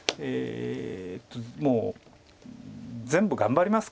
もう全部頑張りますか。